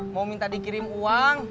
mau minta dikirim uang